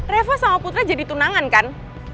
revo sama putra jadi tunangan kan